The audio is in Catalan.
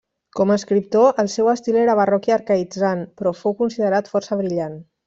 Com a escriptor, el seu estil era barroc i arcaïtzant, però fou considerat força brillant.